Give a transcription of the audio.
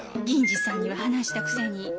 銀次さんには話したくせに。